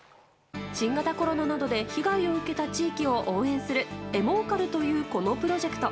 新型コロナなどで被害を受けた地域を応援するＥＭＯＣＡＬというこのプロジェクト。